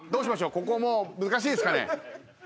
ここもう難しいですかね？